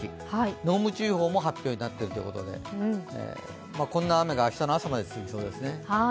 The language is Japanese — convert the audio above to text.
濃霧注意報も発表になっているということでこんな雨が明日の朝まで続きそうです。